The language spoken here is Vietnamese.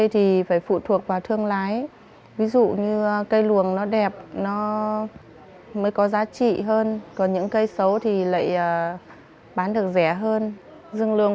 thương lái ví dụ như cây luồng nó đẹp nó mới có giá trị hơn